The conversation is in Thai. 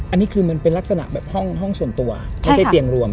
อันนี้คือมันเป็นลักษณะแบบห้องส่วนตัวไม่ใช่เตียงรวม